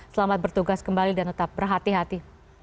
selamat bertugas kembali dan tetap berhati hati